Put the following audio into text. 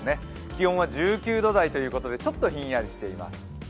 気温は１９度台ということで、ちょっとひんやりしています。